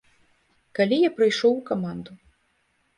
Калі я прыйшоў у каманду.